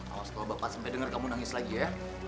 awas kalau bapak sampai dengar kamu nangis lagi ya